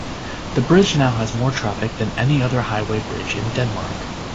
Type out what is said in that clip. The bridge now has more traffic than any other highway bridge in Denmark.